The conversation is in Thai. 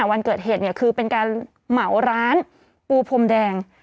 วันเกิดเหตุคือเป็นการเหมาร้านปูพรมแดง